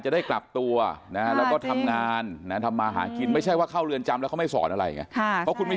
ช่างช่างเชื่อมพรุ่งนี้ไง